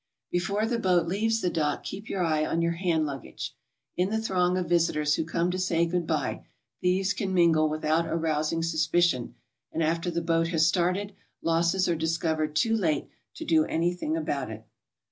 Before the boat leaves the dock, keep your eye on your hand luggage. In the throng of visitors who come to say good bye, thieves can mingle without arousing suspicion, and after the boat has started, losses are discovered too late to do anything about it.